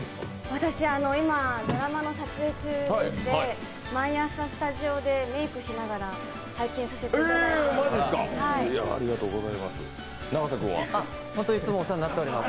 私、今ドラマの撮影中でして毎朝、スタジオでメークしながら拝見させていただいています。